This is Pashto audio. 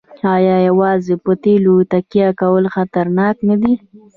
آیا یوازې په تیلو تکیه کول خطرناک نه دي؟